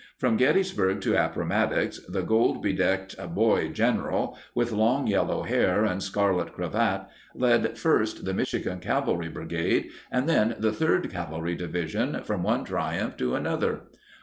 From Gettys burg to Appomattox, the gold bedecked "boy gen eral" with long yellow hair and scarlet cravat led first the Michigan Cavalry Brigade and then the Third Cavalry Division from one triumph to another.